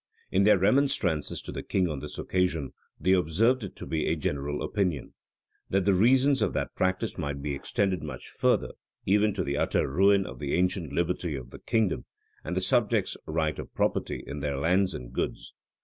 In their remonstrances to the king on this occasion, they observed it to be a general opinion, "That the reasons of that practice might be extended much further, even to the utter ruin of the ancient liberty of the kingdom, and the subjects' right of property in their lands and goods."